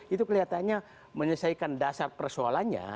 itu kelihatannya menyelesaikan dasar persoalannya